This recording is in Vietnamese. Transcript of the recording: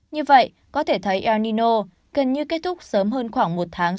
như vậy có thể thấy el nino gần như kết thúc sớm hơn khoảng một tháng